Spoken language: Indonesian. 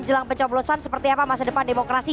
jelang pencoblosan seperti apa masa depan demokrasi